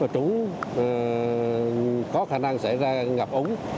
trúng có khả năng xảy ra ngập ống